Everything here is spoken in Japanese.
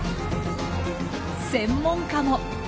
専門家も。